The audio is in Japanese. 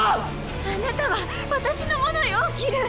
あなたは私のものよギル。